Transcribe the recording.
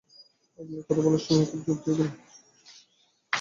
আপনি কথা বলার সময় খুব জোর দিয়ে বলেন।